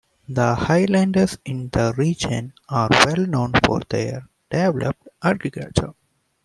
The Highlanders in the region are well known for their developed agriculture.